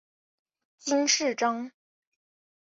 金饰章。